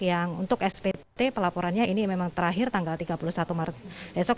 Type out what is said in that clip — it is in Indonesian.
yang untuk spt pelaporannya ini memang terakhir tanggal tiga puluh satu maret esok